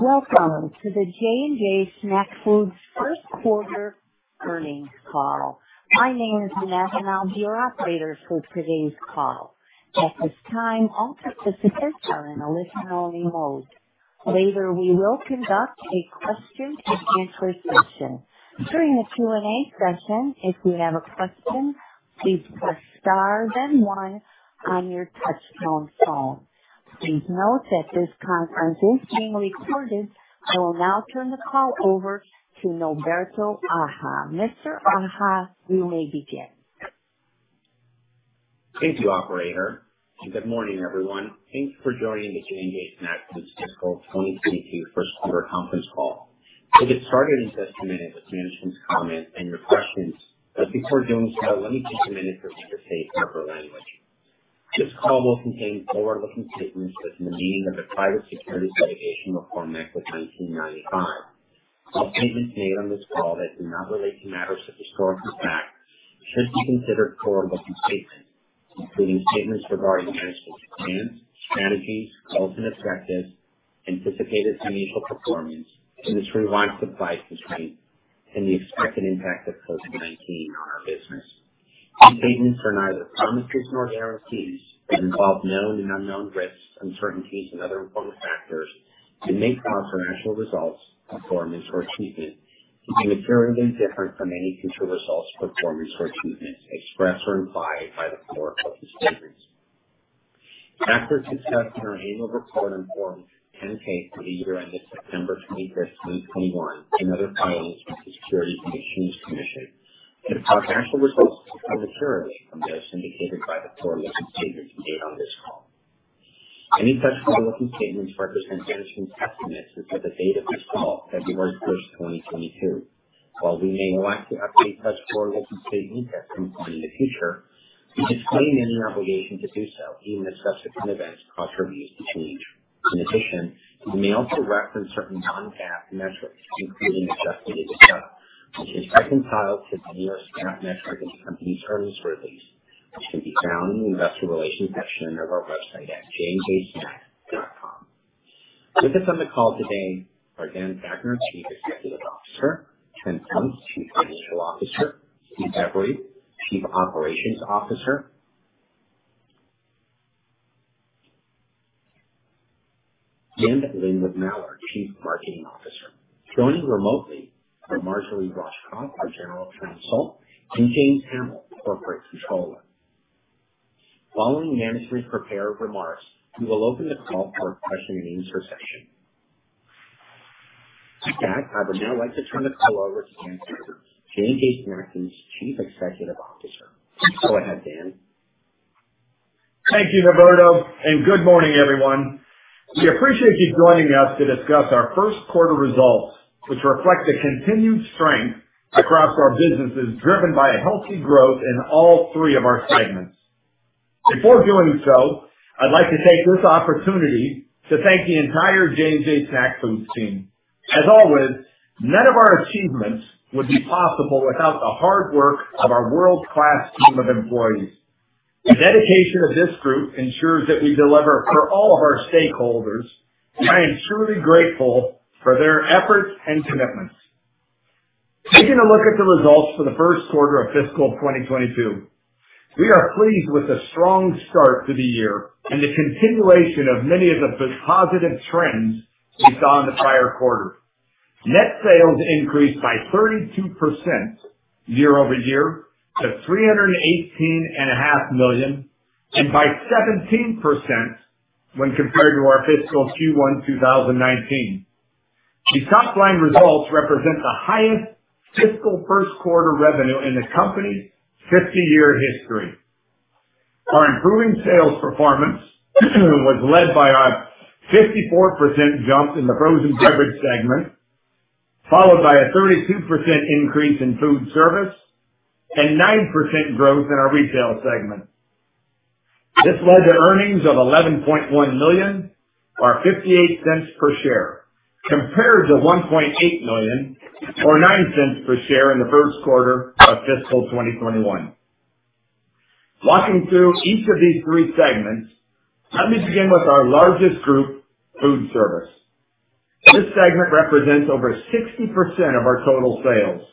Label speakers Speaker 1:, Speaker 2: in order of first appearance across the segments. Speaker 1: Welcome to the J&J Snack Foods first quarter earnings call. My name is Vanessa, and I'll be your operator for today's call. At this time, all participants are in a listen only mode. Later, we will conduct a question and answer session. During the Q&A session, if you have a question, please press star then one on your touchtone phone. Please note that this conference is being recorded. I will now turn the call over to Norberto Aja. Mr. Aja, you may begin.
Speaker 2: Thank you, operator, and good morning, everyone. Thanks for joining the J&J Snack Foods fiscal 2022 first quarter conference call. We'll get started in just a minute with management's comments and your questions, but before doing so, let me take a minute to read the safe harbor language. This call will contain forward-looking statements within the meaning of the Private Securities Litigation Reform Act of 1995. All statements made on this call that do not relate to matters of historical fact should be considered forward-looking statements, including statements regarding management's plans, strategies, goals and objectives, anticipated financial performance, the revised supply constraints and the expected impact of COVID-19 on our business. These statements are neither promises nor guarantees and involve known and unknown risks, uncertainties and other important factors that may cause our actual results of performance or achievements to be materially different from any future results, performance or achievements expressed or implied by the forward-looking statements. As discussed in our annual report on Form 10-K for the year ended September 25, 2021, and other filings with the Securities and Exchange Commission, that our actual results could differ materially from those indicated by the forward-looking statements made on this call. Any such forward-looking statements represent management's estimates as of the date of this call, February 1st, 2022. While we may elect to update such forward-looking statements at some point in the future, we disclaim any obligation to do so, even if subsequent events cause our views to change. In addition, we may also reference certain non-GAAP measures, including adjusted EBITDA, which is reconciled to the most comparable GAAP measure in the earnings release, which can be found in the Investor Relations section of our website at jjsnack.com. With us on the call today are Dan Fachner, Chief Executive Officer, Ken Plunk, Chief Financial Officer, Steve Every, Chief Operations Officer, Lynwood Mallard, Chief Marketing Officer. Joining remotely are Marjorie Roshkoff, our General Counsel, and James Hamill, Corporate Controller. Following management's prepared remarks, we will open the call for a question and answer session. With that, I would now like to turn the call over to Dan Fachner, J&J Snack Foods' Chief Executive Officer. Go ahead, Dan.
Speaker 3: Thank you, Norberto, and good morning, everyone. We appreciate you joining us to discuss our first quarter results, which reflect the continued strength across our businesses, driven by a healthy growth in all three of our segments. Before doing so, I'd like to take this opportunity to thank the entire J&J Snack Foods team. As always, none of our achievements would be possible without the hard work of our world-class team of employees. The dedication of this group ensures that we deliver for all of our stakeholders. I am truly grateful for their efforts and commitments. Taking a look at the results for the first quarter of fiscal 2022. We are pleased with the strong start to the year and the continuation of many of the positive trends we saw in the prior quarter. Net sales increased by 32% year-over-year to $318.5 million, and by 17% when compared to our fiscal Q1 2019. These top line results represent the highest fiscal first quarter revenue in the company's 50-year history. Our improving sales performance was led by our 54% jump in the Frozen Beverage segment, followed by a 32% increase in Food Service and 9% growth in our Retail Supermarket segment. This led to earnings of $11.1 million, or $0.58 per share, compared to $1.8 million or $0.09 per share in the first quarter of fiscal 2021. Walking through each of these three segments, let me begin with our largest group, Food Service. This segment represents over 60% of our total sales.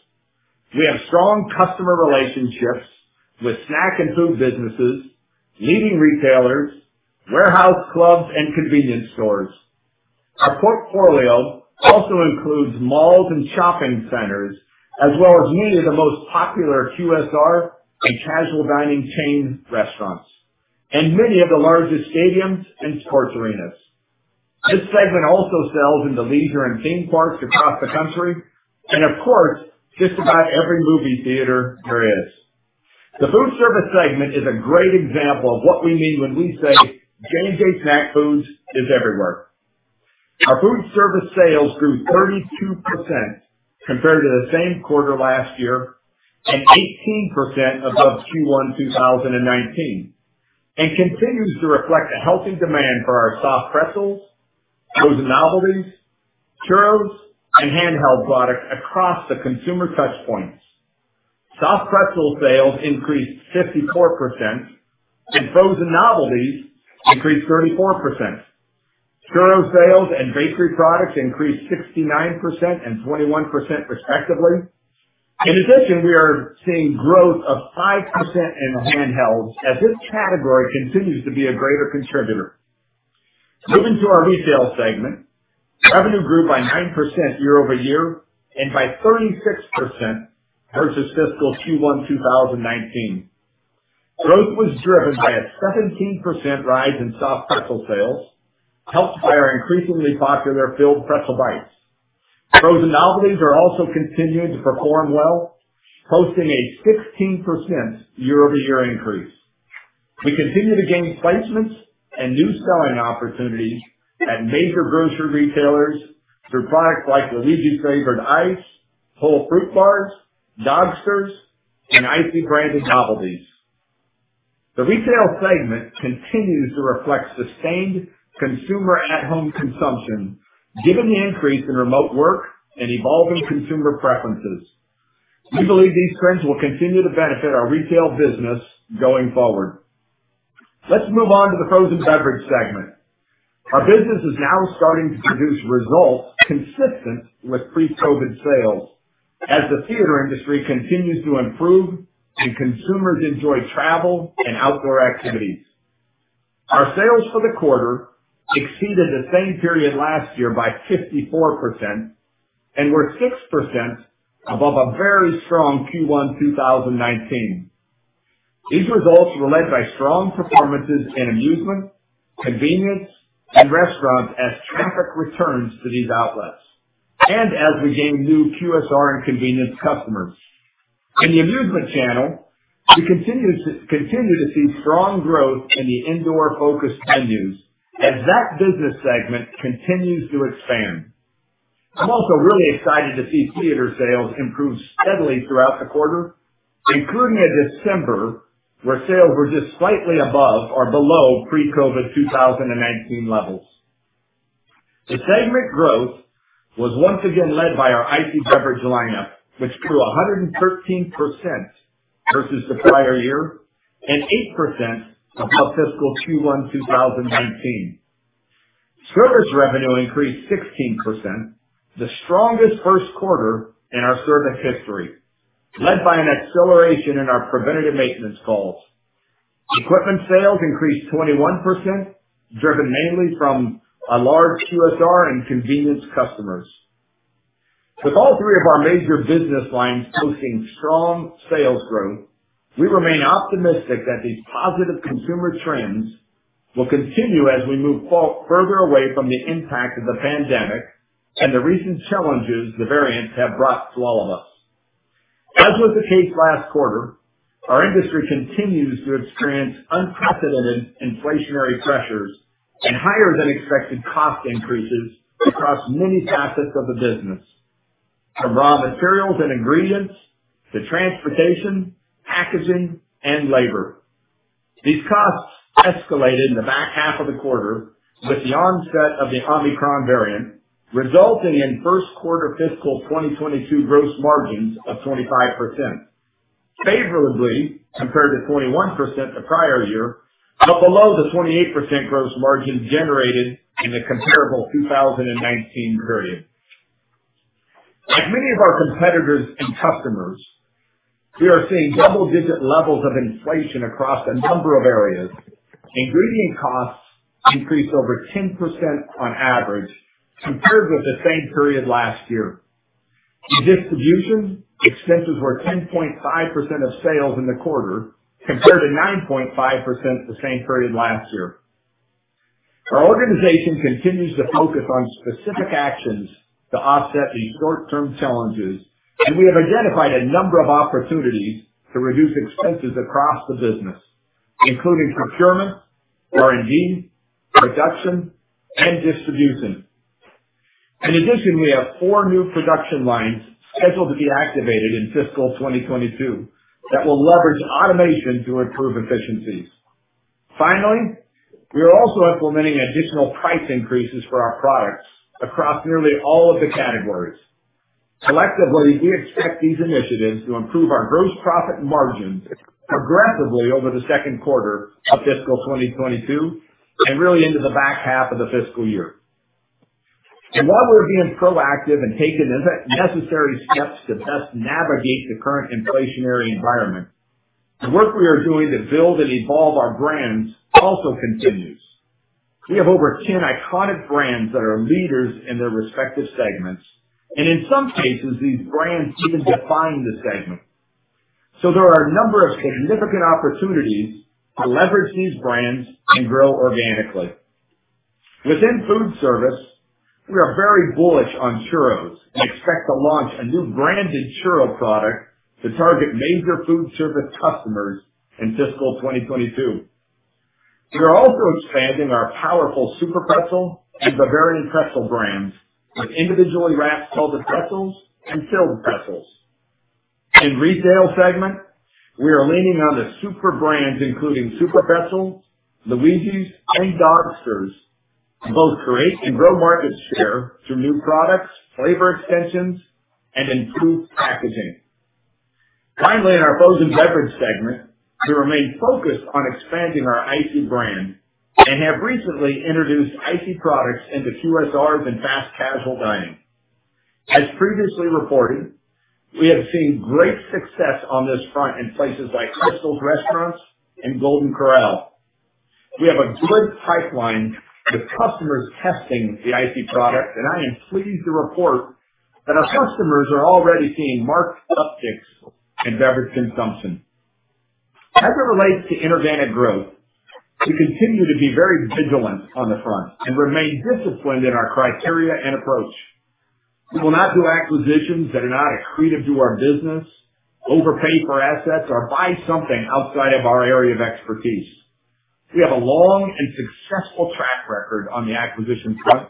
Speaker 3: We have strong customer relationships with snack and food businesses, leading retailers, warehouse clubs and convenience stores. Our portfolio also includes malls and shopping centers, as well as many of the most popular QSR and casual dining chain restaurants and many of the largest stadiums and sports arenas. This segment also sells into leisure and theme parks across the country and of course, just about every movie theater there is. The food service segment is a great example of what we mean when we say J&J Snack Foods is everywhere. Our food service sales grew 32% compared to the same quarter last year, and 18% above Q1 2019, and continues to reflect a healthy demand for our soft pretzels, frozen novelties, churros and handheld products across the consumer touch points. Soft pretzel sales increased 54% and frozen novelties increased 34%. Churro sales and bakery products increased 69% and 21% respectively. In addition, we are seeing growth of 5% in handhelds as this category continues to be a greater contributor. Moving to our Retail segment, revenue grew by 9% year-over-year and by 36% versus fiscal 2019. Growth was driven by a 17% rise in soft pretzel sales, helped by our increasingly popular Filled Pretzel Bites. Frozen novelties are also continuing to perform well, posting a 16% year-over-year increase. We continue to gain placements and new selling opportunities at major grocery retailers through products like Luigi's Real Italian Ice, Whole Fruit bars, Dogsters, and ICEE branded novelties. The Retail segment continues to reflect sustained consumer at-home consumption, given the increase in remote work and evolving consumer preferences. We believe these trends will continue to benefit our retail business going forward. Let's move on to the frozen beverage segment. Our business is now starting to produce results consistent with pre-COVID sales as the theater industry continues to improve and consumers enjoy travel and outdoor activities. Our sales for the quarter exceeded the same period last year by 54% and were 6% above a very strong Q1 2019. These results were led by strong performances in amusement, convenience, and restaurants as traffic returns to these outlets and as we gain new QSR and convenience customers. In the amusement channel, we continue to see strong growth in the indoor-focused venues as that business segment continues to expand. I'm also really excited to see theater sales improve steadily throughout the quarter, including a December where sales were just slightly above or below pre-COVID 2019 levels. The segment growth was once again led by our ICEE beverage lineup, which grew 113% versus the prior year and 8% above fiscal 2019. Service revenue increased 16%, the strongest first quarter in our service history, led by an acceleration in our preventative maintenance calls. Equipment sales increased 21%, driven mainly from large QSR and convenience customers. With all three of our major business lines posting strong sales growth, we remain optimistic that these positive consumer trends will continue as we move further away from the impact of the pandemic and the recent challenges the variants have brought to all of us. As was the case last quarter, our industry continues to experience unprecedented inflationary pressures and higher than expected cost increases across many facets of the business, from raw materials and ingredients to transportation, packaging, and labor. These costs escalated in the back half of the quarter with the onset of the Omicron variant, resulting in first quarter fiscal 2022 gross margins of 25%, favorably compared to 21% the prior year, but below the 28% gross margin generated in the comparable 2019 period. Like many of our competitors and customers, we are seeing double-digit levels of inflation across a number of areas. Ingredient costs increased over 10% on average compared with the same period last year. In distribution, expenses were 10.5% of sales in the quarter, compared to 9.5% the same period last year. Our organization continues to focus on specific actions to offset these short-term challenges, and we have identified a number of opportunities to reduce expenses across the business, including procurement, R&D, production, and distribution. In addition, we have four new production lines scheduled to be activated in fiscal 2022 that will leverage automation to improve efficiencies. Finally, we are also implementing additional price increases for our products across nearly all of the categories. Collectively, we expect these initiatives to improve our gross profit margins progressively over the second quarter of fiscal 2022 and really into the back half of the fiscal year. While we're being proactive and taking the necessary steps to best navigate the current inflationary environment, the work we are doing to build and evolve our brands also continues. We have over 10 iconic brands that are leaders in their respective segments, and in some cases, these brands even define the segment. There are a number of significant opportunities to leverage these brands and grow organically. Within Food Service, we are very bullish on churros and expect to launch a new branded churro product to target major Food Service customers in fiscal 2022. We are also expanding our powerful SUPERPRETZEL and Bavarian Pretzels brands with individually wrapped salted pretzels and filled pretzels. In Retail segment, we are leaning on the super brands including SUPERPRETZEL, LUIGI'S, ICEE, Dogsters to both create and grow market share through new products, flavor extensions, and improved packaging. Finally, in our Frozen Beverage segment, we remain focused on expanding our ICEE brand and have recently introduced ICEE products into QSRs and fast casual dining. As previously reported, we have seen great success on this front in places like Krystal restaurants and Golden Corral. We have a good pipeline with customers testing the ICEE product, and I am pleased to report that our customers are already seeing marked upticks in beverage consumption. As it relates to inorganic growth, we continue to be very vigilant on the front and remain disciplined in our criteria and approach. We will not do acquisitions that are not accretive to our business, overpay for assets, or buy something outside of our area of expertise. We have a long and successful track record on the acquisition front,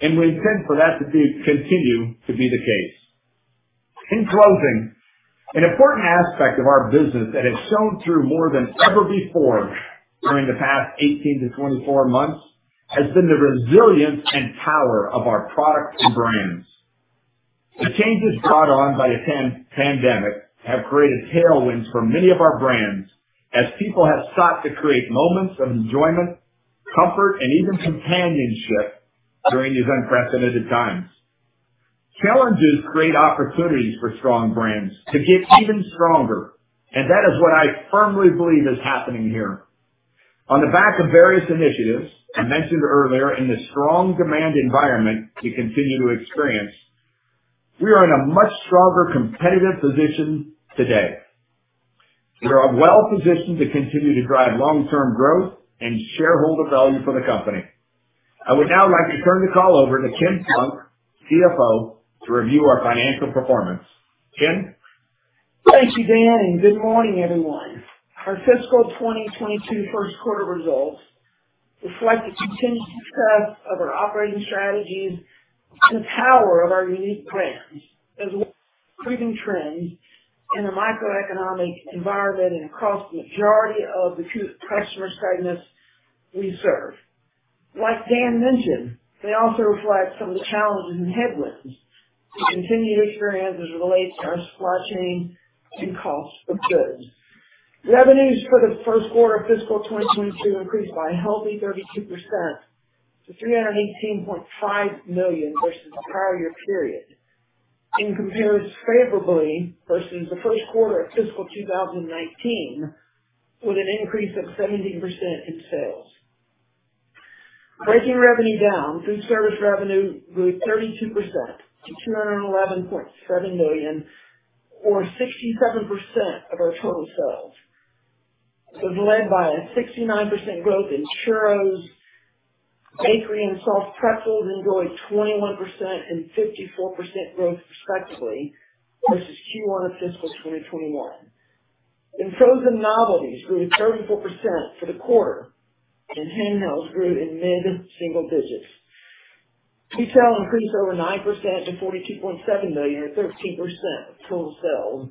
Speaker 3: and we intend for that to be, continue to be the case. In closing, an important aspect of our business that has shown through more than ever before during the past 18-24 months has been the resilience and power of our products and brands. The changes brought on by a pandemic have created tailwinds for many of our brands as people have sought to create moments of enjoyment, comfort, and even companionship during these unprecedented times. Challenges create opportunities for strong brands to get even stronger, and that is what I firmly believe is happening here. On the back of various initiatives I mentioned earlier in the strong demand environment we continue to experience, we are in a much stronger competitive position today. We are well-positioned to continue to drive long-term growth and shareholder value for the company. I would now like to turn the call over to Ken Plunk, CFO, to review our financial performance. Ken?
Speaker 4: Thank you, Dan, and good morning, everyone. Our fiscal 2022 first quarter results reflect the continued success of our operating strategies and the power of our unique brands, as well as increasing trends in the microeconomic environment and across the majority of the two customer segments we serve. Like Dan mentioned, they also reflect some of the challenges and headwinds we continue to experience as it relates to our supply chain and cost of goods. Revenues for the first quarter of fiscal 2022 increased by a healthy 32% to $318.5 million versus the prior year period and compares favorably versus the first quarter of fiscal 2019, with an increase of 17% in sales. Breaking revenue down, food service revenue grew 32% to $211.7 million, or 67% of our total sales. It was led by a 69% growth in churros. Bakery and soft pretzels enjoyed 21% and 54% growth respectively versus Q1 of fiscal 2021. Frozen novelties grew 34% for the quarter, and handhelds grew in mid-single digits. Retail increased over 9% to $42.7 million or 13% of total sales.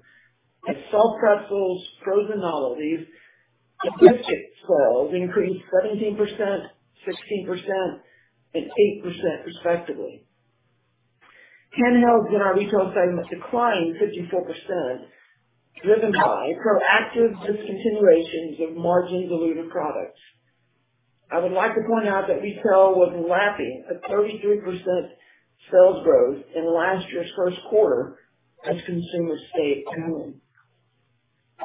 Speaker 4: Soft pretzels, frozen novelties, and dip stick sales increased 17%, 16%, and 8% respectively. Handhelds in our retail segment declined 54%, driven by proactive discontinuations of margin-dilutive products. I would like to point out that retail was lapping a 33% sales growth in last year's first quarter as consumers stayed at home.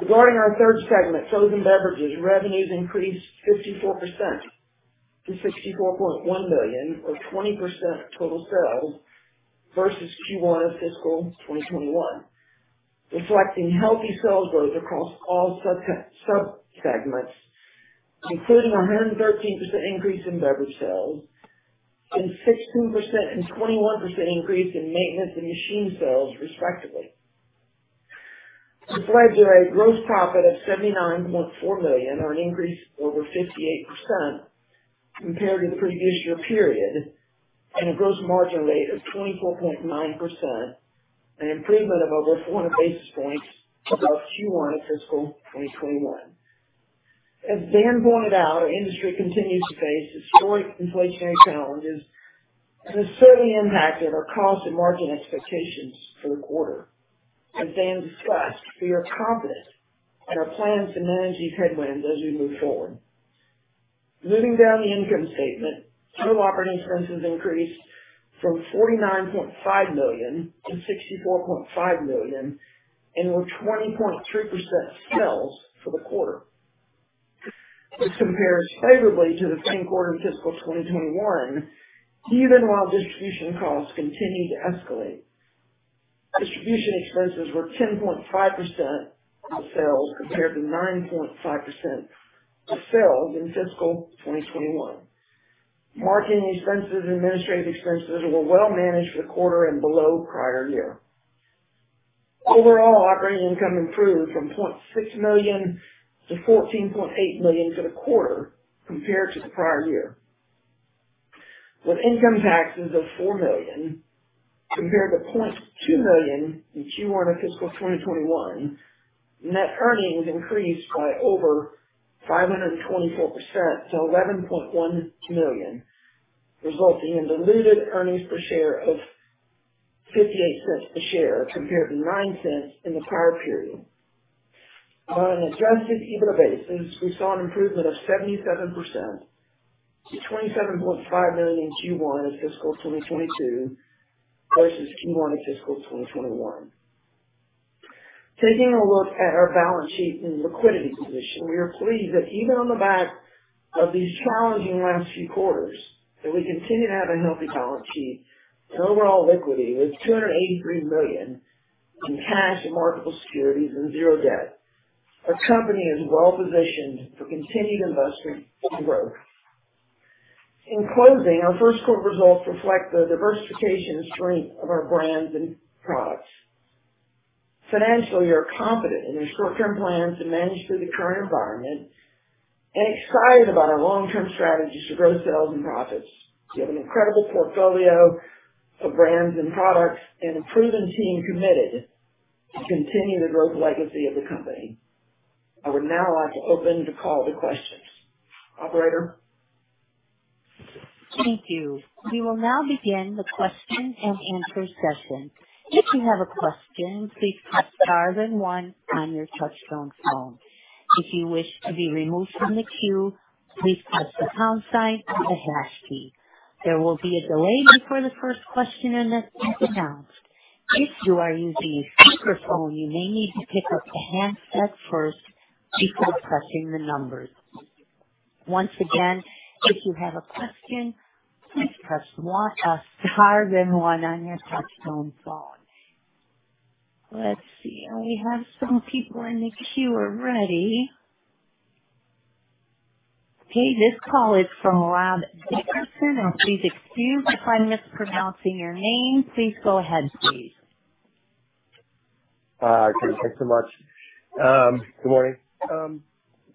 Speaker 4: Regarding our third segment, Frozen Beverages, revenues increased 54% to $64.1 million, or 20% of total sales versus Q1 of fiscal 2021, reflecting healthy sales growth across all subsegments, including a 113% increase in beverage sales and 16% and 21% increase in maintenance and machine sales respectively. This led to a gross profit of $79.4 million, or an increase of over 58% compared to the previous year period, and a gross margin rate of 24.9%, an improvement of over 400 basis points above Q1 of fiscal 2021. As Dan pointed out, our industry continues to face historic inflationary challenges that have certainly impacted our cost and margin expectations for the quarter. As Dan discussed, we are confident in our plans to manage these headwinds as we move forward. Moving down the income statement, total operating expenses increased from $49.5 million to $64.5 million and were 20.3% of sales for the quarter. This compares favorably to the same quarter in fiscal 2021, even while distribution costs continue to escalate. Distribution expenses were 10.5% of sales compared to 9.5% of sales in fiscal 2021. Marketing expenses and administrative expenses were well managed for the quarter and below prior year. Overall, operating income improved from $0.6 million to $14.8 million for the quarter compared to the prior year. With income taxes of $4 million compared to $0.2 million in Q1 of fiscal 2021, net earnings increased by over 524% to $11.1 million, resulting in diluted earnings per share of $0.58 a share compared to $0.09 in the prior period. On an adjusted EBITDA basis, we saw an improvement of 77% to $27.5 million in Q1 of fiscal 2022 versus Q1 of fiscal 2021. Taking a look at our balance sheet and liquidity position, we are pleased that even on the back of these challenging last few quarters, that we continue to have a healthy balance sheet and overall liquidity with $283 million in cash and marketable securities and $0 debt. Our company is well positioned for continued investment and growth. In closing, our first quarter results reflect the diversification and strength of our brands and products. Financially, we are confident in our short-term plans to manage through the current environment and excited about our long-term strategies to grow sales and profits. We have an incredible portfolio of brands and products and a proven team committed to continue the growth legacy of the company. I would now like to open the call to questions. Operator?
Speaker 1: Thank you. We will now begin the question-and-answer session. If you have a question, please press star then one on your touchtone phone. If you wish to be removed from the queue, please press the pound sign or the hash key. There will be a delay before the first question is announced. If you are using a speakerphone, you may need to pick up the handset first before pressing the numbers. Once again, if you have a question, please press one, star then one on your touchtone phone. Let's see. We have some people in the queue already. Okay, this call is from Rob Dickerson, and please excuse if I'm mispronouncing your name. Please go ahead, please.
Speaker 5: Thanks so much. Good morning.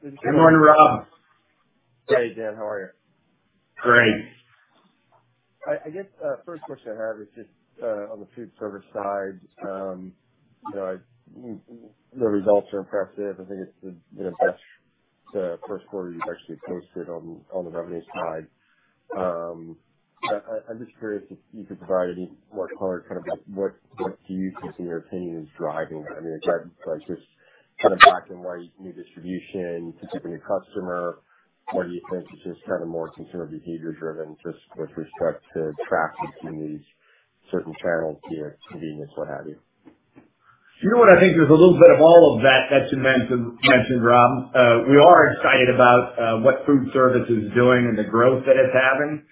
Speaker 3: Good morning, Rob.
Speaker 5: Hey, Dan. How are you?
Speaker 4: Great.
Speaker 5: I guess first question I have is just on the food service side. You know, the results are impressive. I think it's the best first quarter you've actually posted on the revenue side. I'm just curious if you could provide any more color kind of like what you think in your opinion is driving that? I mean, is that like just kind of black and white new distribution, competing a customer? What do you think? Is this kind of more consumer behavior driven just with respect to traffic in these certain channels via convenience, what have you?
Speaker 3: You know what? I think there's a little bit of all of that that you mentioned, Rob. We are excited about what food service is doing and the growth that it's having.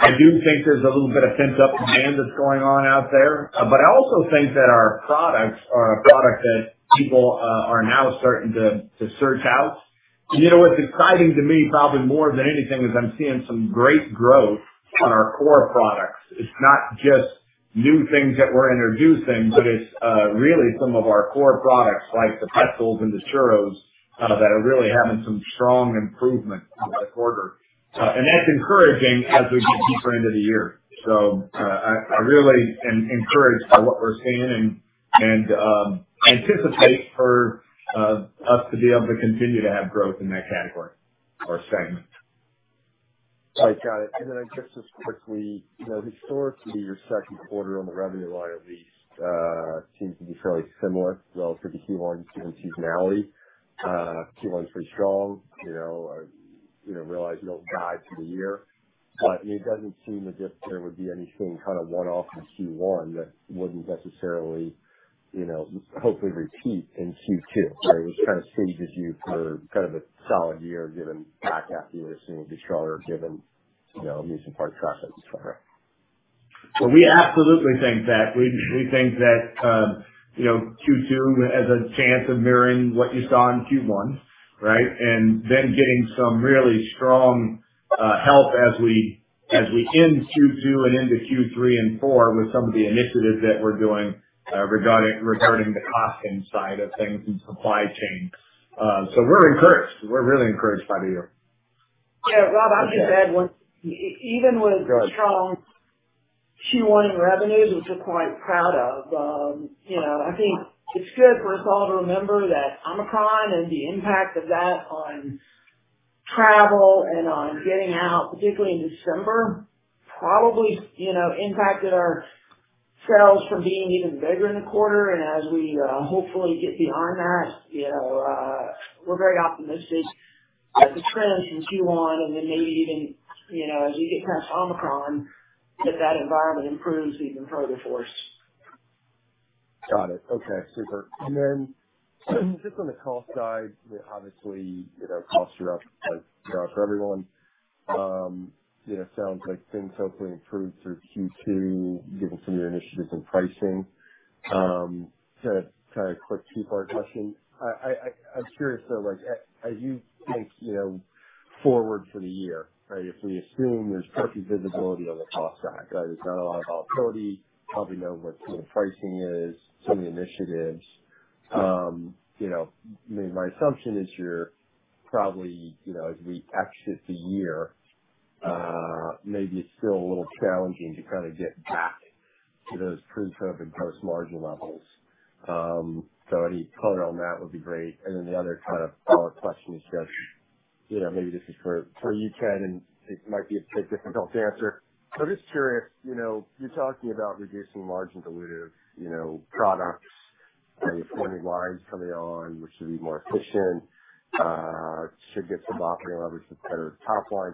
Speaker 3: I do think there's a little bit of pent-up demand that's going on out there. But I also think that our products are a product that people are now starting to search out. You know, what's exciting to me, probably more than anything, is I'm seeing some great growth on our core products. It's not just new things that we're introducing, but it's really some of our core products like the pretzels and the churros that are really having some strong improvement in the quarter. That's encouraging as we get deeper into the year. I really am encouraged by what we're seeing and anticipate for us to be able to continue to have growth in that category or segment.
Speaker 5: All right. Got it. Just as quickly, you know, historically your second quarter on the revenue line at least, seems to be fairly similar as well for the Q1 seasonality. Q1's pretty strong, you know. I, you know, realize you don't guide for the year, but it doesn't seem as if there would be anything kind of one-off in Q1 that wouldn't necessarily, you know, hopefully repeat in Q2. Right? It kind of stages you for kind of a solid year given back half of the year seeming to be stronger given, you know, amusement park traffic, et cetera.
Speaker 3: Well, we absolutely think that. We think that, you know, Q2 has a chance of mirroring what you saw in Q1, right? Getting some really strong help as we end Q2 and into Q3 and Q4 with some of the initiatives that we're doing, regarding the cost end side of things and supply chain. We're encouraged. We're really encouraged by the year.
Speaker 4: Yeah. Rob, I'll just add one. Even with strong Q1 revenues, which we're quite proud of, I think it's good for us all to remember that Omicron and the impact of that on travel and on getting out, particularly in December, probably impacted our sales from being even bigger in the quarter. As we hopefully get beyond that, you know, we're very optimistic that the trends in Q1 and then maybe even, you know, as we get past Omicron, that that environment improves even further for us.
Speaker 5: Got it. Okay. Super. Just on the cost side, obviously, you know, costs are up, like, you know, for everyone. It sounds like things hopefully improve through Q2 given some of your initiatives in pricing. Kind of a quick two-part question. I'm curious though, like, as you think, you know, forward for the year, right? If we assume there's plenty visibility on the cost side, right? There's not a lot of volatility. You probably know what some of the pricing is, some of the initiatives. I mean, my assumption is you're probably, you know, as we exit the year, maybe it's still a little challenging to kind of get back to those pre-COVID gross margin levels. So any color on that would be great. The other kind of follow-up question is just, you know, maybe this is for you, Ken, and it might be a bit difficult to answer. I'm just curious, you know, you're talking about reducing margin dilutive, you know, products and new lines coming on, which should be more efficient, should get some operating leverage with better top line.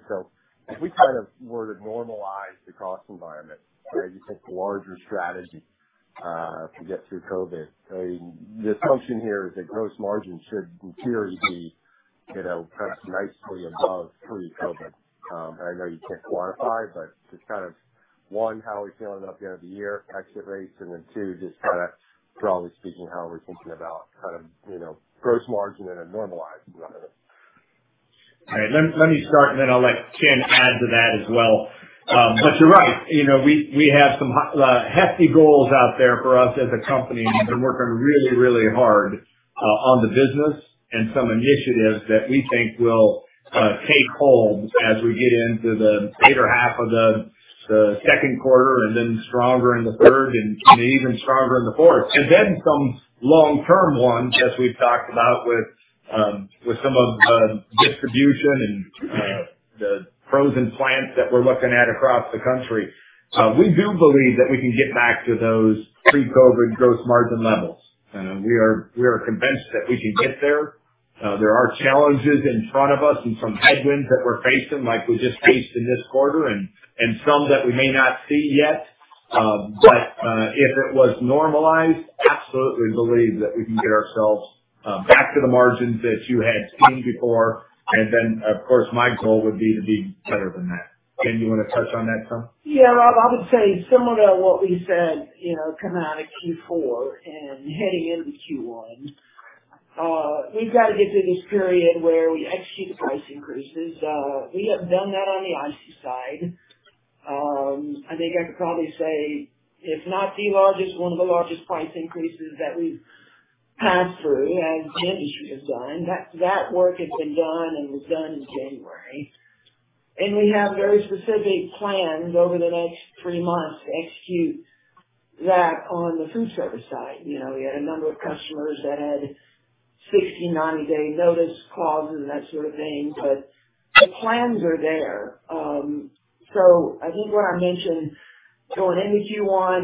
Speaker 5: If we kind of were to normalize the cost environment where you take the larger strategy to get through COVID, I mean, the assumption here is that gross margins should in theory be, you know, press nicely above pre-COVID. And I know you can't quantify, but just kind of, one, how are we feeling about the end of the year exit rates and then two, just kinda broadly speaking, how are we thinking about kind of, you know, gross margin in a normalized environment?
Speaker 3: All right. Let me start and then I'll let Ken add to that as well. But you're right. You know, we have some hefty goals out there for us as a company, and we've been working really hard on the business and some initiatives that we think will take hold as we get into the later half of the second quarter and then stronger in the third and even stronger in the fourth. Some long-term ones, as we've talked about with some of the distribution and the frozen plants that we're looking at across the country. We do believe that we can get back to those pre-COVID gross margin levels. We are convinced that we can get there. There are challenges in front of us and some headwinds that we're facing, like we just faced in this quarter and some that we may not see yet. If it was normalized, absolutely believe that we can get ourselves back to the margins that you had seen before. Of course, my goal would be to be better than that. Ken, do you wanna touch on that some?
Speaker 4: Yeah, Rob, I would say similar to what we said, you know, coming out of Q4 and heading into Q1, we've got to get through this period where we execute price increases. We have done that on the ICEE side. I think I could probably say if not the largest, one of the largest price increases that we've passed through as the industry has done, that work has been done and was done in January. We have very specific plans over the next 3 months to execute that on the food service side. You know, we had a number of customers that had 60, 90-day notice clauses and that sort of thing, but the plans are there. I think what I mentioned going into Q1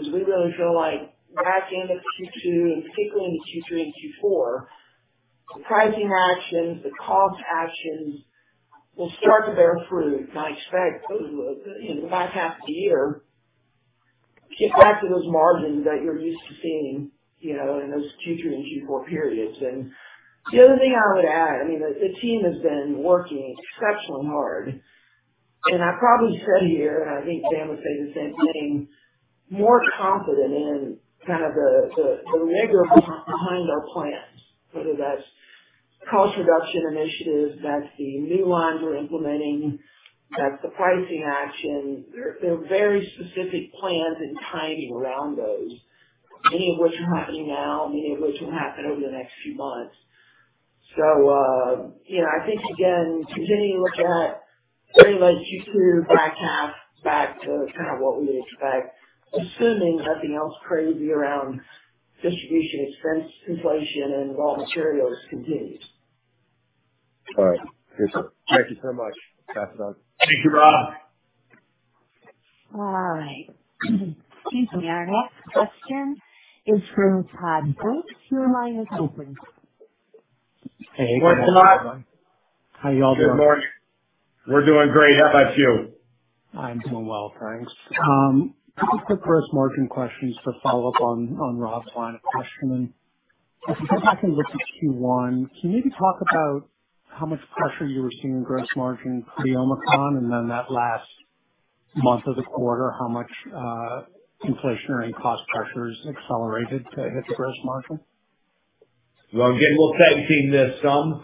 Speaker 4: is we really feel like backing the Q2 and particularly into Q3 and Q4, the pricing actions, the cost actions will start to bear fruit. I expect over the, you know, the back half of the year to get back to those margins that you're used to seeing, you know, in those Q3 and Q4 periods. The other thing I would add, I mean, the team has been working exceptionally hard, and I probably said a year, and I think Dan would say the same thing, more confident in kind of the rigor behind our plans, whether that's cost reduction initiatives, that's the new lines we're implementing, that's the pricing action. There are very specific plans and timing around those, many of which are happening now, many of which will happen over the next few months. You know, I think again, continuing to look at pretty much Q2, back half, back to kind of what we expect, assuming nothing else crazy around distribution expense inflation and raw materials continues.
Speaker 5: All right. Good. Thank you so much. Pass it on.
Speaker 3: Thank you, Rob.
Speaker 1: All right. Excuse me. Our next question is from Todd Brooks from C.L. King and Associates.
Speaker 6: Hey.
Speaker 3: Morning, Todd.
Speaker 6: How you all doing?
Speaker 3: Good morning. We're doing great. How about you?
Speaker 6: I'm doing well, thanks. Couple of quick gross margin questions to follow up on Rob's line of questioning. If you go back and look at Q1, can you maybe talk about how much pressure you were seeing in gross margin pre-Omicron? Then that last month of the quarter, how much inflationary cost pressures accelerated to hit the gross margin?
Speaker 3: Well, again, we'll touch on this some,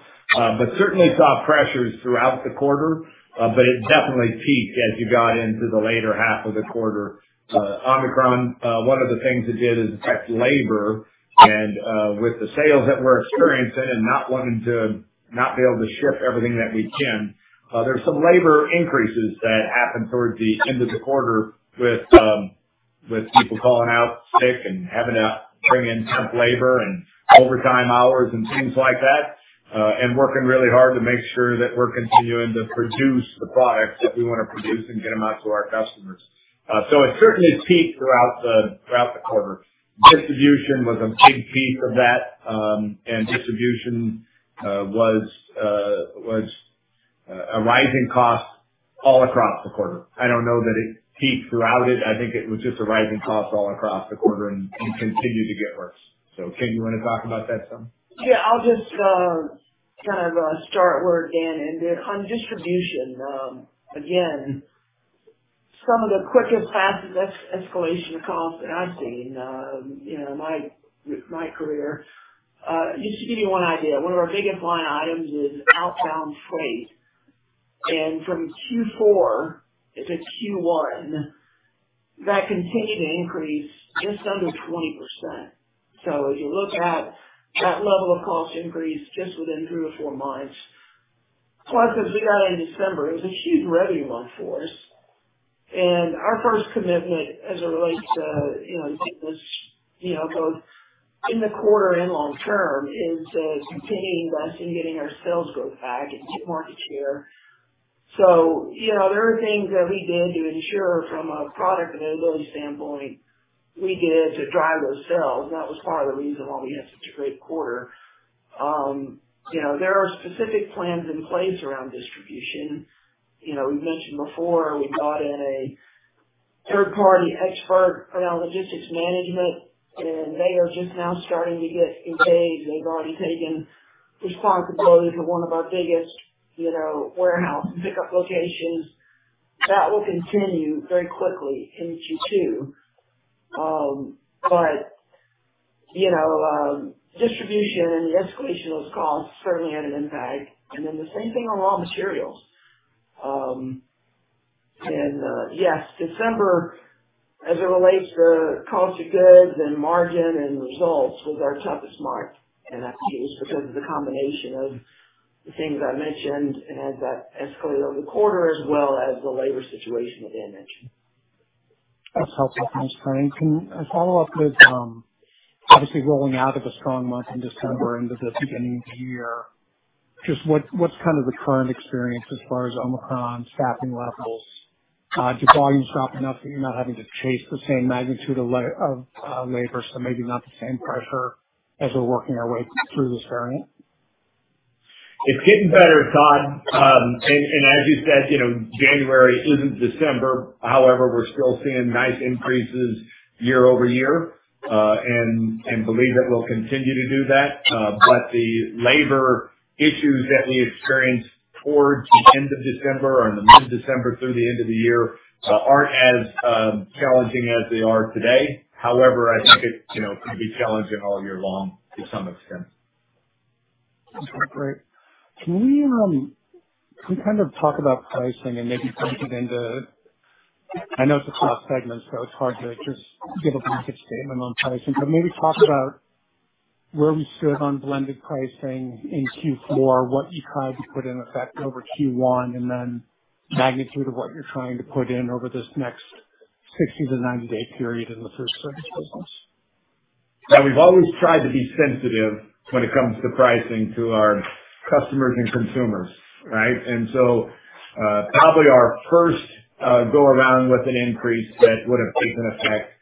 Speaker 3: but certainly saw pressures throughout the quarter, but it definitely peaked as you got into the later half of the quarter. Omicron, one of the things it did is affect labor. With the sales that we're experiencing and not wanting to not be able to ship everything that we can, there's some labor increases that happened towards the end of the quarter with people calling out sick and having to bring in temp labor and overtime hours and things like that, and working really hard to make sure that we're continuing to produce the products that we want to produce and get them out to our customers. So it certainly peaked throughout the quarter. Distribution was a big piece of that. Distribution was a rising cost all across the quarter. I don't know that it peaked throughout it. I think it was just a rising cost all across the quarter and continued to get worse. Ken, you wanna talk about that some?
Speaker 4: Yeah, I'll just kind of start where Dan ended on distribution. Again, some of the quickest, fastest escalation of costs that I've seen, you know, in my career. Just to give you one idea, one of our biggest line items is outbound freight. From Q4 into Q1, that continued to increase just under 20%. If you look at that level of cost increase just within 3-4 months, plus as we got into December, it was a huge revenue month for us. Our first commitment as it relates to, you know, doing this, you know, both in the quarter and long term is continuing investing, getting our sales growth back and market share. You know, there are things that we did to ensure from a product availability standpoint we did to drive those sales. That was part of the reason why we had such a great quarter. You know, there are specific plans in place around distribution. You know, we've mentioned before we brought in a third party expert around logistics management, and they are just now starting to get engaged. They've already taken responsibility for one of our biggest, you know, warehouse and pickup locations. That will continue very quickly into Q2. You know, distribution and the escalation of those costs certainly had an impact. Then the same thing on raw materials. Yes, December, as it relates to cost of goods and margin and results, was our toughest mark in that case because of the combination of the things I mentioned and as that escalated over the quarter, as well as the labor situation that I mentioned.
Speaker 6: That's helpful. Thanks, [for answering]. Can I follow up with obviously rolling out of a strong month in December into the beginning of the year, just what's kind of the current experience as far as Omicron staffing levels? Do volumes drop enough that you're not having to chase the same magnitude of labor, so maybe not the same pressure as we're working our way through this variant?
Speaker 3: It's getting better, Todd. As you said, you know, January isn't December, however, we're still seeing nice increases year-over-year, and believe that we'll continue to do that. The labor issues that we experienced towards the end of December or in the mid-December through the end of the year aren't as challenging as they are today. However, I think it's, you know, gonna be challenging all year long to some extent.
Speaker 6: That's great. Can we kind of talk about pricing? I know it's across segments, so it's hard to just give a blanket statement on pricing, but maybe talk about where we stood on blended pricing in Q4, what you tried to put in effect over Q1, and then magnitude of what you're trying to put in over this next 60-90-day period in the food service business.
Speaker 3: Yeah. We've always tried to be sensitive when it comes to pricing to our customers and consumers, right? Probably our first go around with an increase that would have taken effect,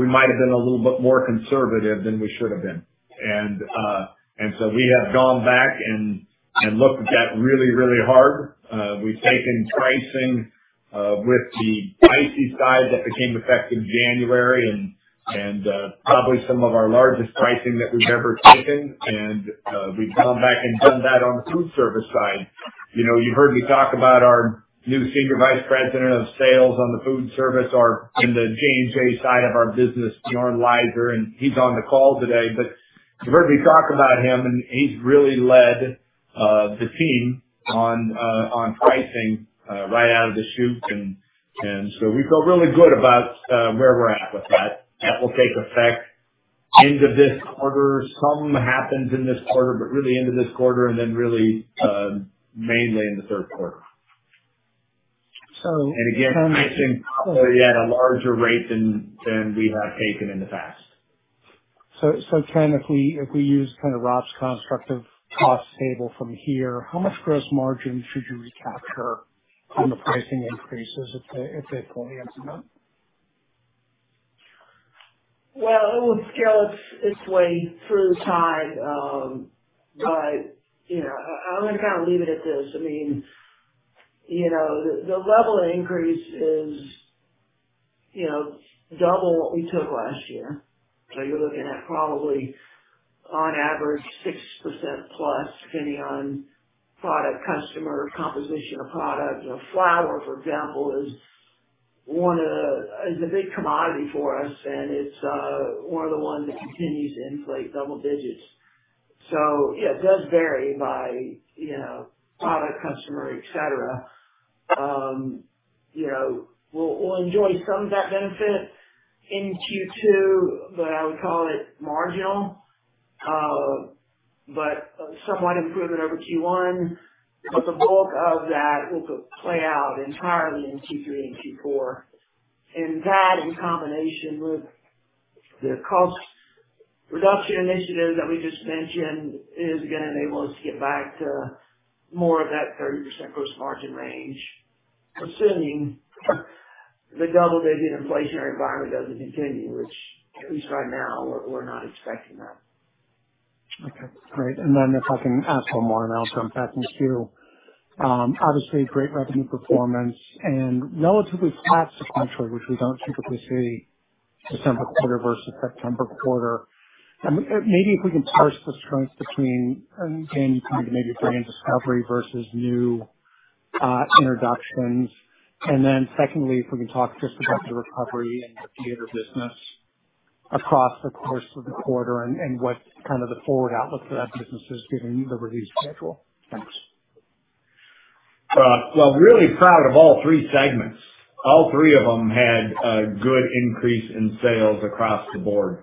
Speaker 3: we might have been a little bit more conservative than we should have been. We have gone back and looked at that really, really hard. We've taken pricing with the ICEE side that became effective January and probably some of our largest pricing that we've ever taken. We've gone back and done that on the food service side. You know, you've heard me talk about our new Senior Vice President of Sales on the food service or in the J&J side of our business, Bjoern Leyser, and he's on the call today. You've heard me talk about him, and he's really led the team on pricing right out of the chute. So we feel really good about where we're at with that. That will take effect end of this quarter. Some happens in this quarter, but really into this quarter and then really mainly in the third quarter.
Speaker 6: So.
Speaker 3: Again, pricing probably at a larger rate than we have taken in the past.
Speaker 6: Ken, if we use kind of Rob's construct of cost table from here, how much gross margin should you recapture on the pricing increases if they fully implement?
Speaker 4: Well, it will scale its way through the year. You know, I'm gonna kind of leave it at this. I mean, you know, the level of increase is, you know, double what we took last year. You're looking at probably on average 6%+, depending on product, customer, composition of products. You know, flour, for example, is a big commodity for us, and it's one of the ones that continues to inflate double digits. Yeah, it does vary by, you know, product, customer, et cetera. You know, we'll enjoy some of that benefit in Q2, but I would call it marginal. Somewhat improvement over Q1. The bulk of that will play out entirely in Q3 and Q4. That in combination with the cost reduction initiative that we just mentioned is gonna enable us to get back to more of that 30% gross margin range, assuming the double-digit inflationary environment doesn't continue, which at least right now we're not expecting that.
Speaker 6: Okay, great. If I can ask one more and I'll turn back to queue. Obviously great revenue performance and relatively flat sequentially, which we don't typically see December quarter versus September quarter. Maybe if we can parse the strengths between, again, kind of maybe brand discovery versus new introductions. Secondly, if we can talk just about the recovery in the theater business. Across the course of the quarter and what kind of the forward outlook for that business is, given the release schedule? Thanks.
Speaker 3: Well, really proud of all three segments. All three of them had a good increase in sales across the board.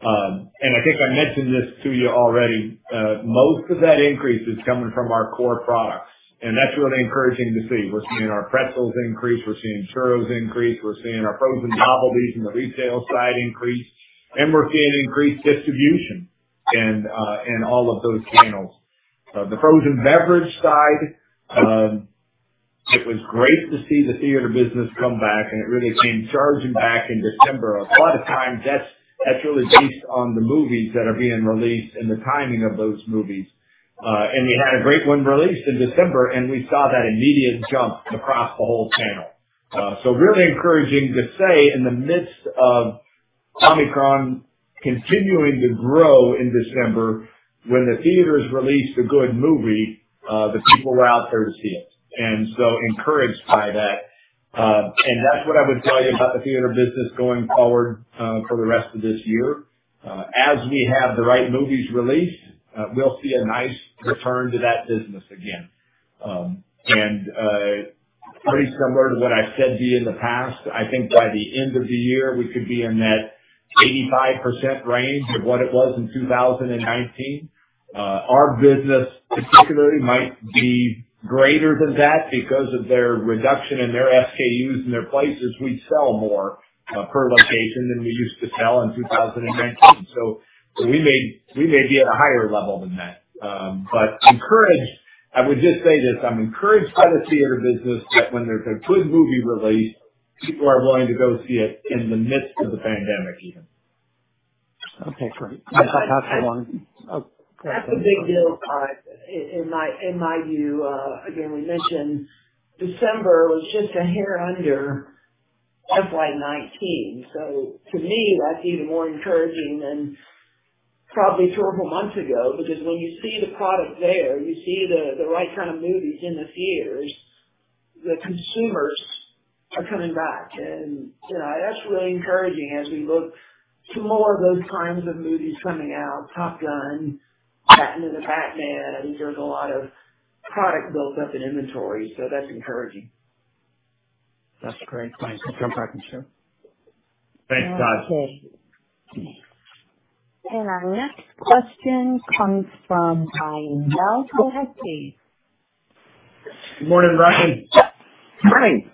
Speaker 3: I think I mentioned this to you already. Most of that increase is coming from our core products, and that's really encouraging to see. We're seeing our pretzels increase. We're seeing churros increase. We're seeing our frozen novelties in the retail side increase, and we're seeing increased distribution in all of those channels. The frozen beverage side, it was great to see the theater business come back, and it really came charging back in December. A lot of times, that's really based on the movies that are being released and the timing of those movies. We had a great one released in December, and we saw that immediate jump across the whole channel. Really encouraging to see, in the midst of Omicron continuing to grow in December, when the theaters released a good movie, the people were out there to see it, and so encouraged by that. That's what I would tell you about the theater business going forward, for the rest of this year. As we have the right movies released, we'll see a nice return to that business again. Pretty similar to what I've said to you in the past, I think by the end of the year, we could be in that 85% range of what it was in 2019. Our business particularly might be greater than that because of their reduction in their SKUs and their places. We sell more per location than we used to sell in 2019. We may be at a higher level than that. Encouraged, I would just say this. I'm encouraged by the theater business that when there's a good movie released, people are willing to go see it in the midst of the pandemic even.
Speaker 6: Okay, great.
Speaker 4: That's a big deal, Todd. In my view, again, we mentioned December was just a hair under FY 2019. To me, that's even more encouraging than probably 2 or 4 months ago, because when you see the product there, you see the right kind of movies in the theaters, the consumers are coming back. That's really encouraging as we look to more of those kinds of movies coming out, Top Gun: Maverick, The Batman. I think there's a lot of product built up in inventory, so that's encouraging.
Speaker 6: That's great. Thanks. I appreciate that.
Speaker 3: Thanks, Todd.
Speaker 1: Okay. Our next question comes from Ryan Bell. Go ahead, please.
Speaker 3: Good morning, Ryan.
Speaker 7: Morning.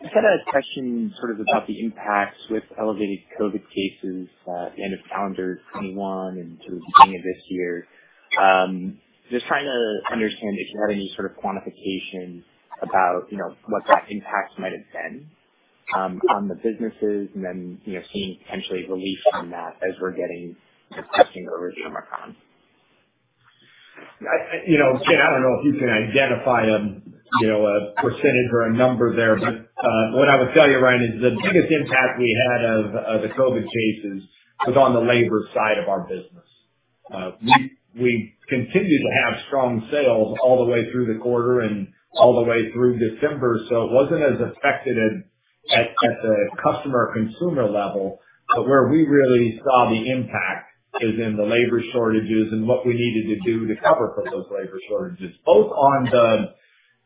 Speaker 7: Just had a question sort of about the impacts with elevated COVID cases at the end of calendar 2021 and through the beginning of this year. Just trying to understand if you had any sort of quantification about, you know, what that impact might have been on the businesses and then, you know, seeing potentially relief from that as we're getting, you know, testing over Omicron.
Speaker 3: You know, again, I don't know if you can identify you know a percentage or a number there, but what I would tell you, Ryan, is the biggest impact we had of the COVID cases was on the labor side of our business. We continued to have strong sales all the way through the quarter and all the way through December, so it wasn't as affected at the customer consumer level. Where we really saw the impact is in the labor shortages and what we needed to do to cover for those labor shortages, both on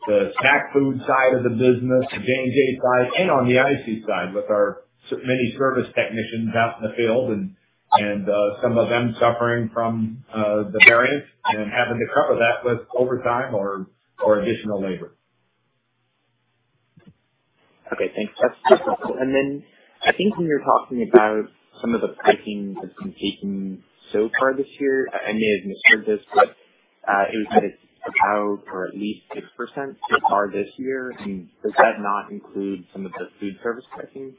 Speaker 3: the snack food side of the business, the J&J side, and on the ICEE side with our many service technicians out in the field and some of them suffering from the variants and having to cover that with overtime or additional labor.
Speaker 7: Okay, thanks. That's helpful. I think when you're talking about some of the pricing that's been taken so far this year, I know you had mentioned this, but it was that it's about or at least 6% so far this year. Does that not include some of the food service pricing?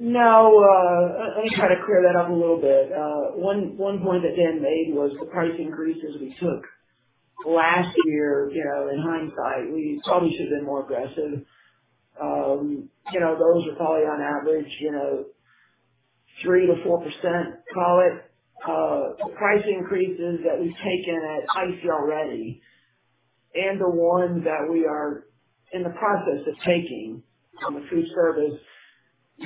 Speaker 4: No. Let me try to clear that up a little bit. One point that Dan made was the price increases we took last year. You know, in hindsight, we probably should have been more aggressive. You know, those are probably on average 3%-4%. Call it price increases that we've taken at ICEE already and the one that we are in the process of taking on the food service,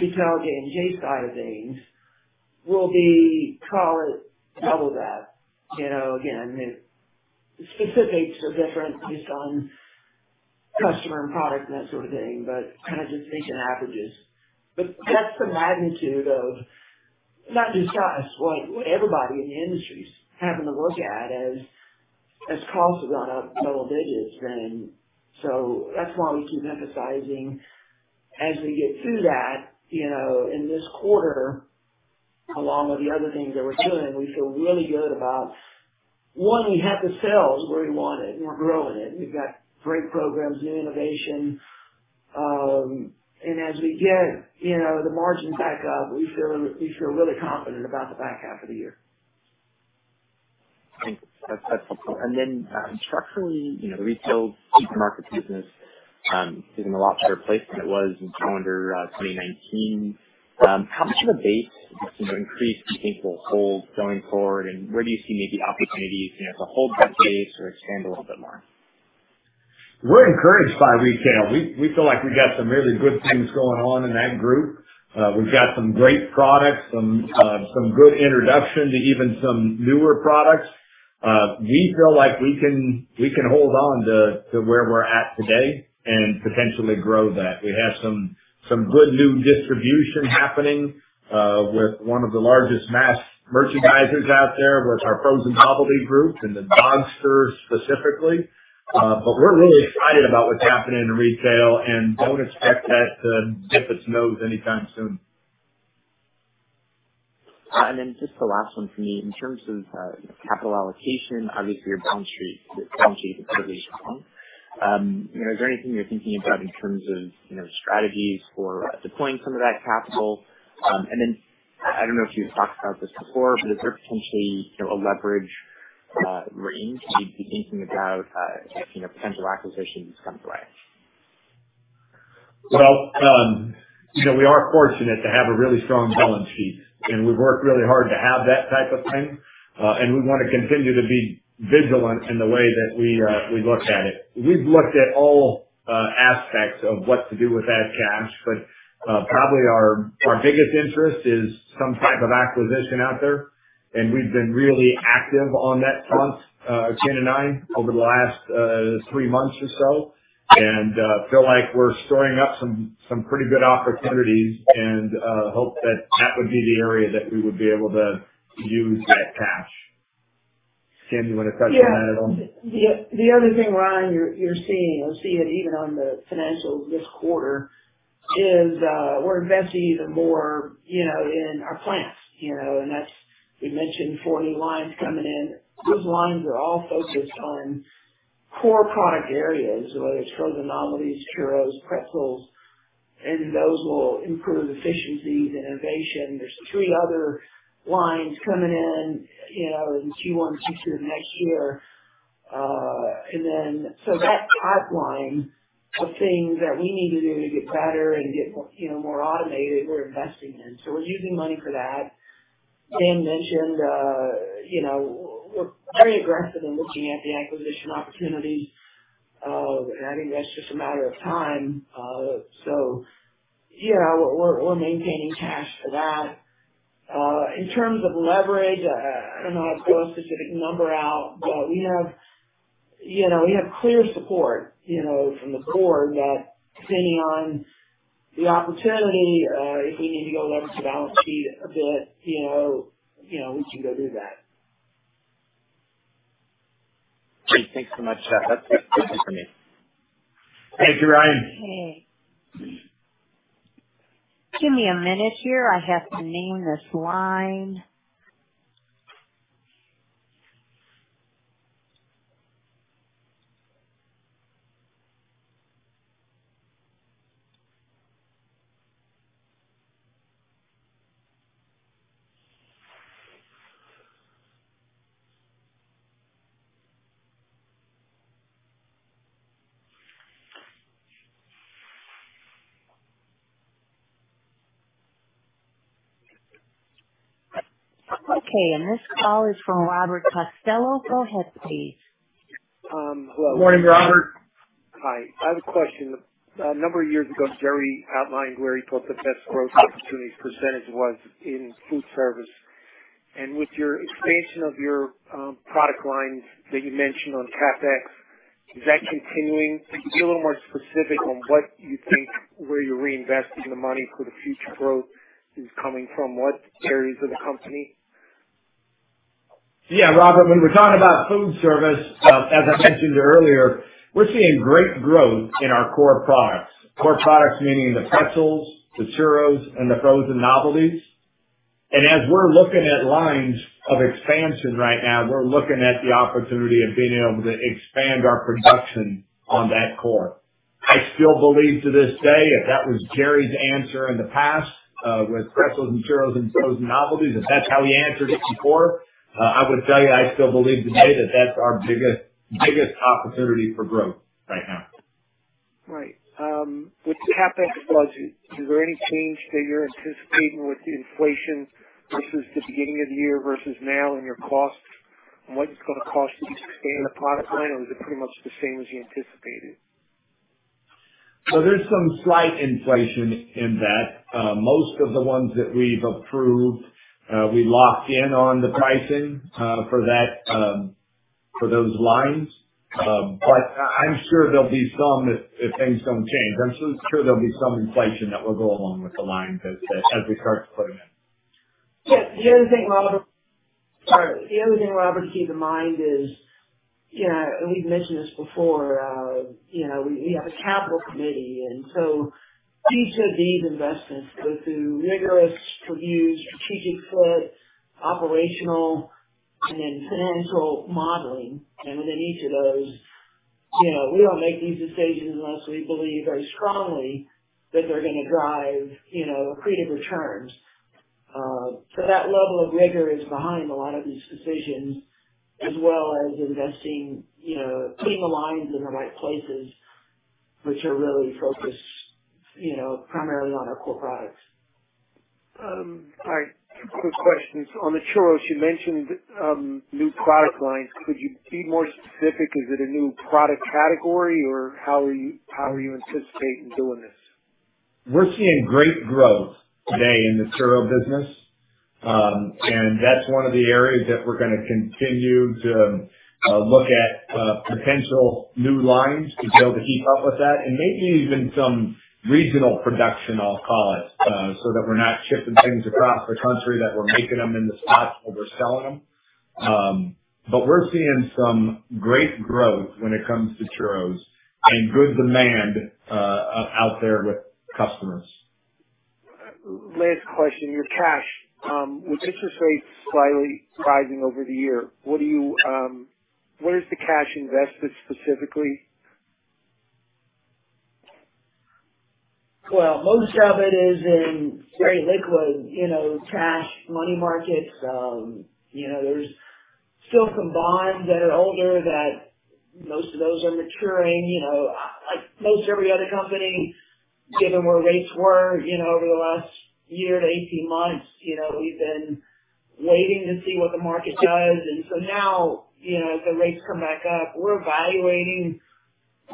Speaker 4: retail, J&J side of things will be, call it double that. You know, again, the specifics are different based on customer and product and that sort of thing, but kind of just speaking averages. That's the magnitude of not just us, like everybody in the industry is having to look at as costs have gone up double digits. That's why we keep emphasizing as we get through that, you know, in this quarter, along with the other things that we're doing, we feel really good about one, we have the sales where we want it and we're growing it. We've got great programs, new innovation. You know, the margins back up, we feel really confident about the back half of the year.
Speaker 7: Thanks. That's helpful. Structurally, you know, retail supermarket business is in a lot better place than it was in calendar 2019. How much of a base can the increased eating will hold going forward, and where do you see maybe opportunities, you know, to hold that base or expand a little bit more?
Speaker 3: We're encouraged by retail. We feel like we got some really good things going on in that group. We've got some great products, some good introduction to even some newer products. We feel like we can hold on to where we're at today and potentially grow that. We have some good new distribution happening with one of the largest mass merchandisers out there with our frozen novelty group and the Dogsters specifically. We're really excited about what's happening in retail and don't expect that to dip its nose anytime soon.
Speaker 7: Just the last one for me. In terms of capital allocation, obviously your balance sheet is pretty strong. You know, is there anything you're thinking about in terms of, you know, strategies for deploying some of that capital? I don't know if you've talked about this before, but is there potentially, you know, a leverage range you'd be thinking about, if, you know, potential acquisitions come into play?
Speaker 3: Well, you know, we are fortunate to have a really strong balance sheet, and we've worked really hard to have that type of thing. We wanna continue to be vigilant in the way that we look at it. We've looked at all aspects of what to do with that cash, but probably our biggest interest is some type of acquisition out there, and we've been really active on that front, Ken and I, over the last 3 months or so. We feel like we're storing up some pretty good opportunities and hope that that would be the area that we would be able to use that cash. Ken, do you wanna touch on that at all?
Speaker 4: Yeah. The other thing, Ryan, you're seeing, you'll see it even on the financials this quarter, is we're investing even more, you know, in our plants, you know, and that's. We mentioned four new lines coming in. Those lines are all focused on core product areas, whether it's frozen novelties, churros, pretzels, and those will improve efficiencies, innovation. There's three other lines coming in, you know, in Q1, Q2 of next year. That pipeline of things that we need to do to get better and get more, you know, more automated, we're investing in. We're using money for that. Dan mentioned, you know, we're very aggressive in looking at the acquisition opportunities. I think that's just a matter of time. Yeah, we're maintaining cash for that. In terms of leverage, I don't know if I'd throw a specific number out, but we have, you know, we have clear support, you know, from the board that depending on the opportunity, if we need to go leverage the balance sheet a bit, you know, we can go do that.
Speaker 7: Great. Thanks so much. That's it from me.
Speaker 3: Thank you, Ryan.
Speaker 4: Okay.
Speaker 1: Give me a minute here. I have this name in line. This call is from Robert Costello. Go ahead, please.
Speaker 8: Hello.
Speaker 3: Morning, Robert.
Speaker 8: Hi. I have a question. A number of years ago, Jerry outlined where he thought the best growth opportunities percentage was in food service. With your expansion of your product lines that you mentioned on CapEx, is that continuing? Can you be a little more specific on what you think, where you're reinvesting the money for the future growth is coming from? What areas of the company?
Speaker 3: Yeah, Robert, when we're talking about food service, as I mentioned earlier, we're seeing great growth in our core products. Core products meaning the pretzels, the churros, and the frozen novelties. We're looking at lines of expansion right now, we're looking at the opportunity of being able to expand our production on that core. I still believe to this day, if that was Jerry's answer in the past, with pretzels and churros and frozen novelties, if that's how he answered it before, I would tell you, I still believe today that that's our biggest opportunity for growth right now.
Speaker 8: Right. With the CapEx budget, is there any change that you're anticipating with inflation versus the beginning of the year versus now and your costs and what it's gonna cost you to expand a product line? Or is it pretty much the same as you anticipated?
Speaker 3: There's some slight inflation in that. Most of the ones that we've approved, we locked in on the pricing for those lines. I'm sure there'll be some inflation that will go along with the lines as we start to put them in.
Speaker 4: The other thing, Robert, to keep in mind is, you know, we've mentioned this before, you know, we have a capital committee, and so each of these investments go through rigorous reviews, strategic fit, operational, and then financial modeling. Within each of those, you know, we don't make these decisions unless we believe very strongly that they're gonna drive, you know, accretive returns. So that level of rigor is behind a lot of these decisions, as well as investing, you know, putting the lines in the right places, which are really focused, you know, primarily on our core products.
Speaker 8: All right. Two quick questions. On the churros, you mentioned new product lines. Could you be more specific? Is it a new product category, or how are you anticipating doing this?
Speaker 3: We're seeing great growth today in the churro business. That's one of the areas that we're gonna continue to look at potential new lines to be able to keep up with that and maybe even some regional production, I'll call it, so that we're not shipping things across the country, that we're making them in the spots where we're selling them. We're seeing some great growth when it comes to churros and good demand out there with customers.
Speaker 8: Last question. Your cash, with interest rates slightly rising over the year, where is the cash invested specifically?
Speaker 4: Well, most of it is in very liquid, you know, cash money markets. You know, there's still some bonds that are older that most of those are maturing, you know. Like most every other company, given where rates were, you know, over the last year to 18 months, you know, we've been waiting to see what the market does. Now, you know, as the rates come back up, we're evaluating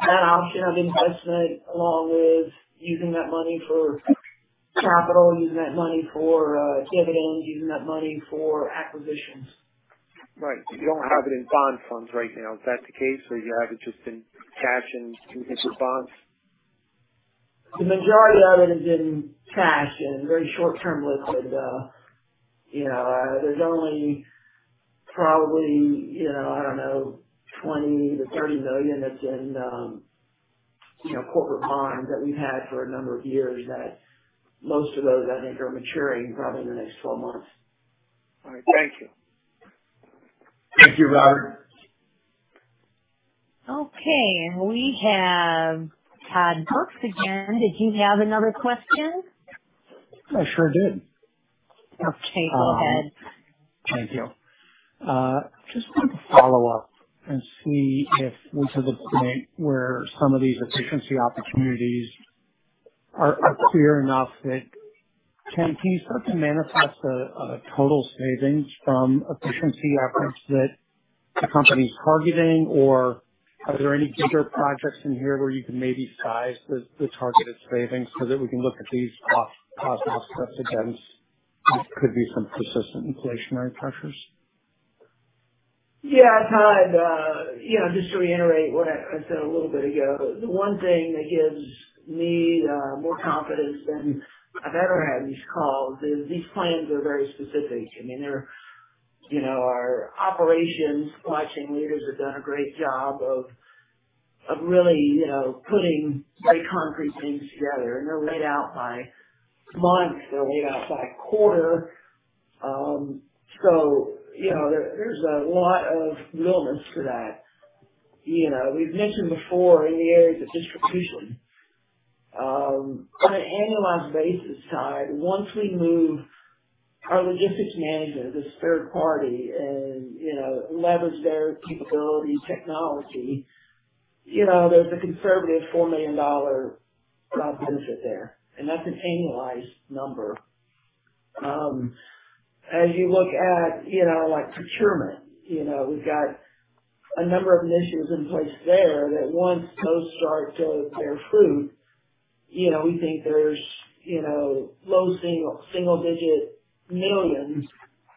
Speaker 4: that option of investment along with using that money for capital, using that money for dividends, using that money for acquisitions.
Speaker 8: Right. You don't have it in bond funds right now. Is that the case? You have it just in cash and interest bonds?
Speaker 4: The majority of it is in cash and very short-term liquid. You know, there's only probably, you know, I don't know, $20 million-$30 million that's in, you know, corporate bonds that we've had for a number of years that most of those, I think, are maturing probably in the next 12 months.
Speaker 8: All right. Thank you.
Speaker 3: Thank you, Robert.
Speaker 1: Okay. We have Todd Brooks again. Did you have another question?
Speaker 6: I sure did.
Speaker 1: Okay. Go ahead.
Speaker 6: Thank you. Just wanted to follow up and see if we're to the point where some of these efficiency opportunities are clear enough that you can start to manifest the total savings from efficiency efforts that the company's targeting, or are there any bigger projects in here where you can maybe size the targeted savings so that we can look at these possible steps against what could be some persistent inflationary pressures?
Speaker 4: Yeah, Todd. You know, just to reiterate what I said a little bit ago, the one thing that gives me more confidence than I've ever had in these calls is these plans are very specific. I mean, they're you know, our operations watching leaders have done a great job of really you know, putting very concrete things together, and they're laid out by months. They're laid out by quarter. So you know, there's a lot of realness to that. You know, we've mentioned before in the areas of distribution on an annualized basis, Todd, once we move our logistics management to this third party and you know, leverage their capabilities, technology, you know, there's a conservative $4 million benefit there, and that's an annualized number. As you look at, you know, like procurement, you know, we've got a number of initiatives in place there that once those start to bear fruit, you know, we think there's, you know, low single-digit millions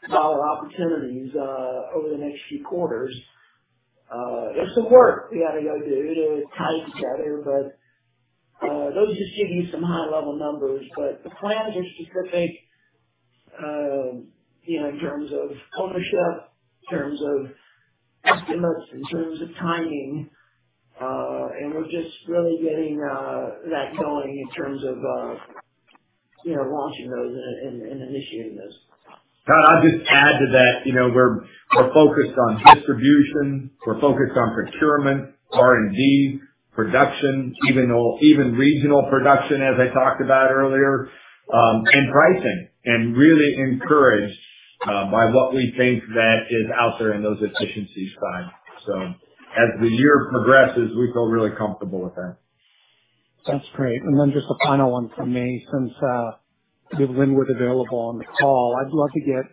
Speaker 4: opportunities over the next few quarters. There's some work we gotta go do to tie it together, but those just give you some high-level numbers. The plans are specific, you know, in terms of ownership, in terms of estimates, in terms of timing. We're just really getting that going in terms of, you know, launching those and initiating those.
Speaker 3: Todd, I'll just add to that. You know, we're focused on distribution. We're focused on procurement, R&D, production, even regional production as I talked about earlier, and pricing and really encouraged by what we think that is out there in those efficiencies side. As the year progresses, we feel really comfortable with that.
Speaker 6: That's great. Just a final one from me, since you have Lynwood available on the call, I'd love to get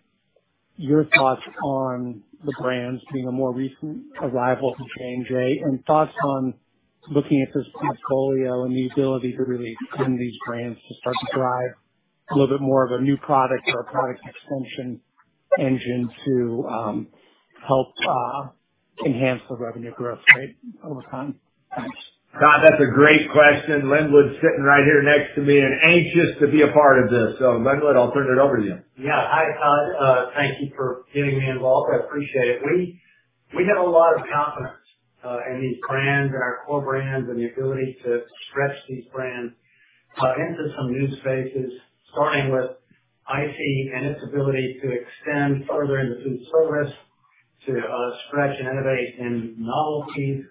Speaker 6: your thoughts on the brands being a more recent arrival to J&J and thoughts on looking at this portfolio and the ability to really extend these brands to start to drive a little bit more of a new product or a product extension engine to help enhance the revenue growth rate over time. Thanks.
Speaker 3: Todd, that's a great question. Lynwood's sitting right here next to me and anxious to be a part of this. Lynwood, I'll turn it over to you.
Speaker 9: Hi, Todd. Thank you for getting me involved. I appreciate it. We have a lot of confidence in these brands and our core brands, and the ability to stretch these brands into some new spaces, starting with ICEE and its ability to extend further into food service to stretch and innovate in novelty.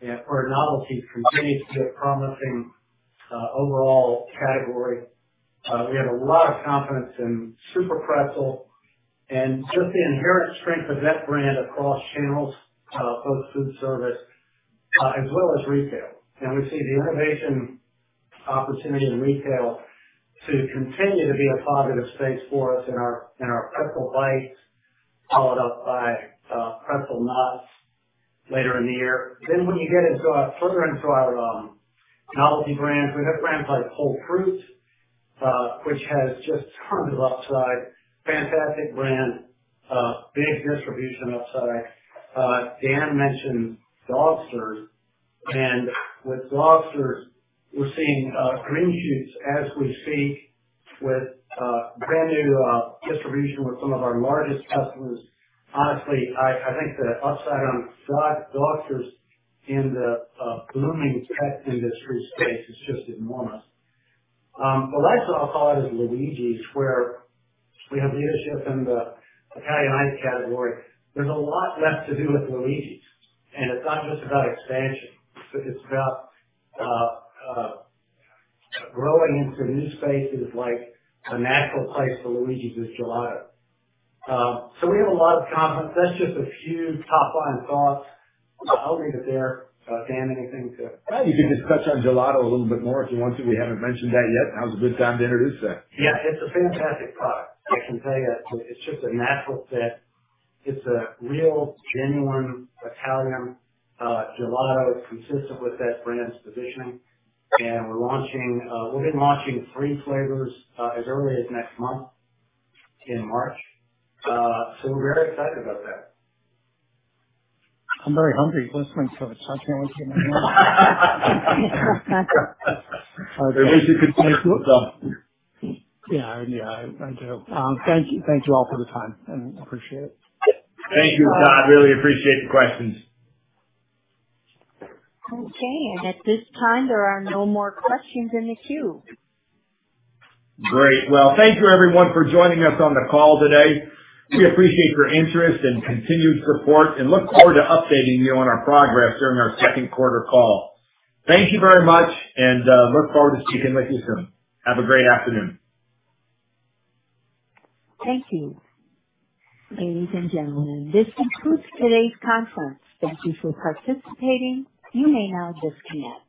Speaker 9: For novelty continues to be a promising overall category. We have a lot of confidence in SUPERPRETZEL and just the inherent strength of that brand across channels, both food service, as well as retail. We see the innovation opportunity in retail to continue to be a positive space for us in our pretzel bites, followed up by pretzel knots later in the year. When you get into our novelty brands, we have brands like Whole Fruit, which has just tons of upside, fantastic brand, big distribution upside. Dan mentioned Dogsters. With Dogsters, we're seeing green shoots as we speak with brand new distribution with some of our largest customers. Honestly, I think the upside on Dogsters in the blooming pet industry space is just enormous. The last I'll call out is Luigi's, where we have leadership in the Italian ice category. There's a lot left to do with Luigi's, and it's not just about expansion. It's about growing into new spaces like a natural place for Luigi's is gelato. So we have a lot of confidence. That's just a few top line thoughts. I'll leave it there. Dan, anything to.
Speaker 3: Yeah, you can just touch on gelato a little bit more if you want to. We haven't mentioned that yet. Now's a good time to introduce that.
Speaker 9: Yeah, it's a fantastic product. I can tell you. It's just a natural fit. It's a real, genuine Italian gelato consistent with that brand's positioning. We'll be launching three flavors as early as next month in March. We're very excited about that.
Speaker 6: I'm very hungry listening to it, so I can't wait to get my hands on it.
Speaker 3: It is a good snack.
Speaker 6: Yeah. Yeah, I do. Thank you. Thank you all for the time, and I appreciate it.
Speaker 3: Thank you, Todd. Really appreciate the questions.
Speaker 1: Okay. At this time, there are no more questions in the queue.
Speaker 3: Great. Well, thank you everyone for joining us on the call today. We appreciate your interest and continued support and look forward to updating you on our progress during our second quarter call. Thank you very much and look forward to speaking with you soon. Have a great afternoon.
Speaker 1: Thank you. Ladies and gentlemen, this concludes today's conference. Thank you for participating. You may now disconnect.